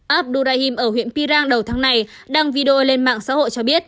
abdurahim ở huyện pirang đầu tháng này đăng video lên mạng xã hội cho biết